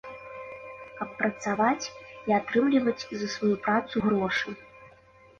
Каб працаваць і атрымліваць за сваю працу грошы.